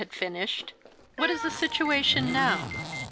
had finished, "what is the situation now?"